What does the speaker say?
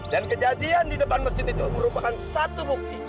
dan kejadian di depan masjid itu merupakan satu bukti